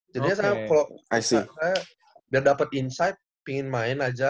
jadi kalau saya biar dapet insight pingin main aja